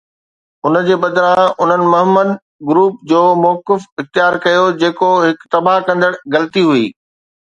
ان جي بدران، انهن مهمند گروپ جو موقف اختيار ڪيو، جيڪا هڪ تباهه ڪندڙ غلطي هئي.